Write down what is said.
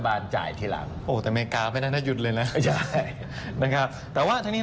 บ้านเราที่รัฐบาลค้างได้